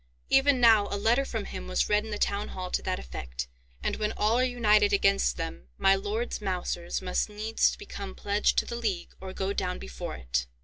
Even now a letter from him was read in the Town Hall to that effect; and, when all are united against them, my lords mousers must needs become pledged to the league, or go down before it."